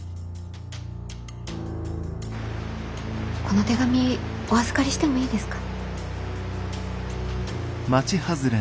この手紙お預かりしてもいいですか？